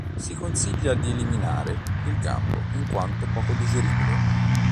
Si consiglia di eliminare il gambo in quanto poco digeribile.